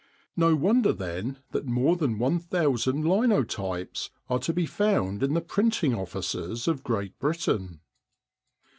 No wonder then that more than 1000 linotypes are to be found in the printing offices of Great Britain.